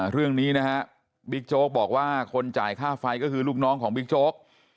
เรื่องนี้นะฮะบิ๊กโจ๊กบอกว่าคนจ่ายค่าไฟก็คือลูกน้องของบิ๊กโจ๊ก